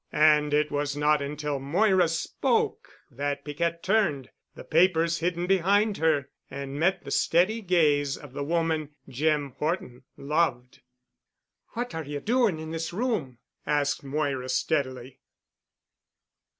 And it was not until Moira spoke that Piquette turned, the papers hidden behind her, and met the steady gaze of the woman Jim Horton loved. "What are you doing in this room?" asked Moira steadily.